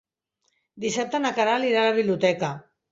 Dissabte na Queralt irà a la biblioteca.